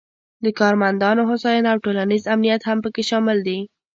د کارمندانو هوساینه او ټولنیز امنیت هم پکې شامل دي.